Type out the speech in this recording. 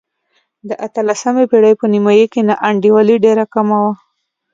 د اتلسمې پېړۍ په نیمايي کې نا انډولي ډېره کمه وه.